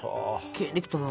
きれいにできたわ。